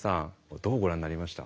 どうご覧になりました？